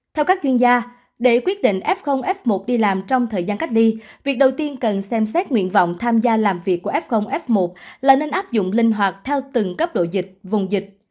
theo các chuyên gia để quyết định f f một đi làm trong thời gian cách ly việc đầu tiên cần xem xét nguyện vọng tham gia làm việc của f f một là nên áp dụng linh hoạt theo từng cấp độ dịch vùng dịch